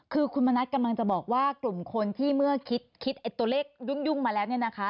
คือคุณมณัฐกำลังจะบอกว่ากลุ่มคนที่เมื่อคิดตัวเลขยุ่งมาแล้วเนี่ยนะคะ